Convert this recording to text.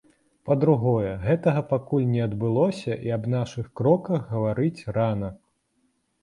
Па-другое, гэтага пакуль не адбылося і аб нашых кроках гаварыць рана.